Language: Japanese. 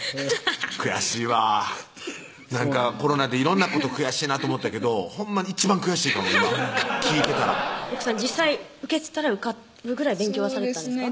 悔しいわコロナで色んなこと悔しいなって思ってたけどほんまに一番悔しいかも今聞いてたら奥さん実際受けてたら受かるぐらい勉強はされてたんですか？